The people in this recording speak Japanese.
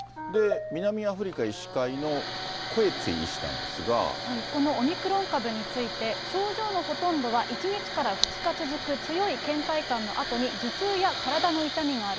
南アフリカ医師会のコエツィ医師なんですが、このオミクロン株について、症状のほとんどは１日から２日続く強いけん怠感のあとに、頭痛や体の痛みがある。